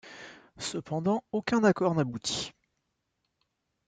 Cependant, aucun accord n'aboutit.